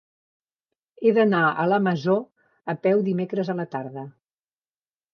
He d'anar a la Masó a peu dimecres a la tarda.